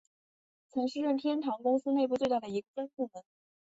曾是任天堂公司内部最大的一个分部门。